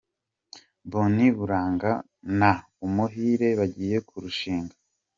Bonny Buranga na Umuhire bagiye kurushinga.